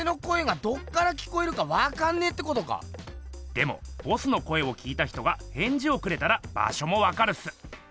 でもボスの声を聞いた人がへんじをくれたら場しょもわかるっす。